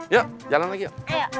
yuk jalan lagi yuk